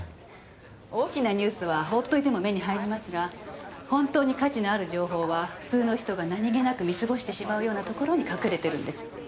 大きなニュースは放っておいても目に入りますが本当に価値のある情報は普通の人が何気なく見過ごしてしまうようなところに隠れてるんです。